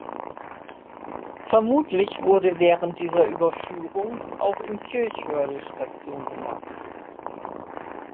Vermutlich wurde während dieser Überführung auch in Kirchhörde Station gemacht.